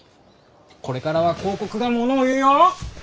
これからは広告がものを言うよ！